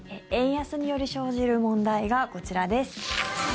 円安により生じる問題がこちらです。